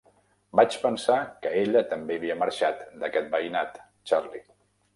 Vaig pensar que ella també havia marxat d'aquest veïnat, Charley.